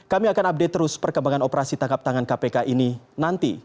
kami akan update terus perkembangan operasi tangkap tangan kpk ini nanti